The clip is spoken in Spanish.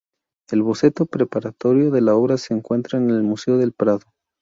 El boceto preparatorio de la obra se encuentra en el Museo del Prado.